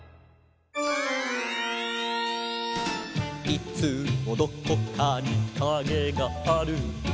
「いつもどこかにカゲがある」